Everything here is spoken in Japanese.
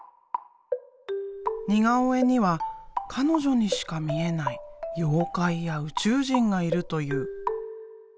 似顔絵には彼女にしか見えない妖怪や宇宙人がいるという。